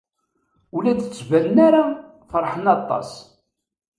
Ur la d-ttbanen ara feṛhen aṭas.